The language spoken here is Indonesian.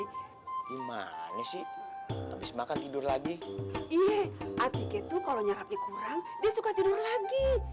gimana sih habis makan tidur lagi iya artikel itu kalau nyerapnya kurang dia suka tidur lagi habis lu sih bobornya sedikit bobornya kurang banyak sih lu bawanya mut